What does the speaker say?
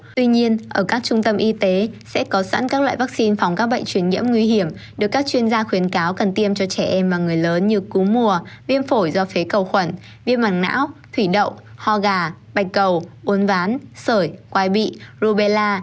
tuy nhiên ở các trung tâm y tế sẽ có sẵn các loại vaccine phòng các bệnh truyền nhiễm nguy hiểm được các chuyên gia khuyến cáo cần tiêm cho trẻ em và người lớn như cúm mùa viêm phổi do phế cầu khuẩn viêm mảng não thủy đậu ho gà bạch cầu uốn ván sởi quay bị rubella